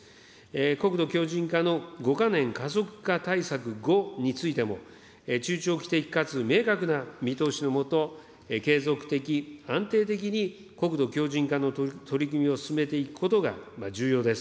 国土強じん化の５か年加速化対策後については中長期的かつ明確な見通しの下、継続的、安定的に国土強じん化の取り組みを進めていくことが重要です。